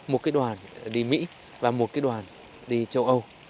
một cái đoàn đi mỹ và một cái đoàn đi châu âu